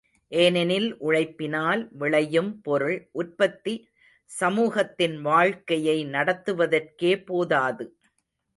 ஏனெனில் உழைப்பினால் விளையும் பொருள் உற்பத்தி சமூகத்தின் வாழ்க்கையை நடத்துவதற்கே போதாது.